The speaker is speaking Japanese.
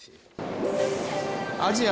アジア